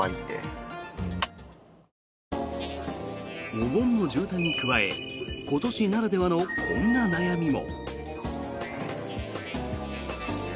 お盆の渋滞に加え今年ならではのこんな悩みも。